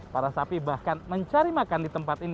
para sapi bahkan mencari makan di tempat ini